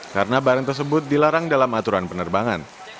karena barang tersebut dilarang dalam aturan penerbangan